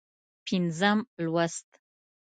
پينځم لوست